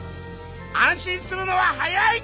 安心するのは早い！